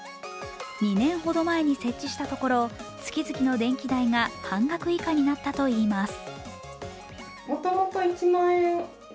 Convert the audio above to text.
２年ほど前に設置したところ月々の電気代が半額以下になったといいます。